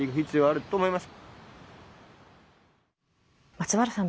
松原さん